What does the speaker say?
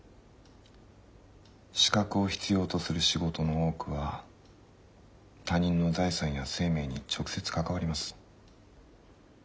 資格を必要とする仕事の多くは他人の財産や生命に直接関わります。